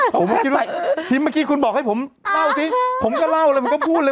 ผมคิดว่าทีมเมื่อกี้คุณบอกให้ผมเล่าสิผมก็เล่าเลยผมก็พูดเลย